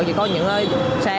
chỉ có những xe